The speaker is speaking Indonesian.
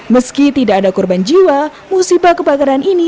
meski tidak ada korban jiwa musibah kebakaran ini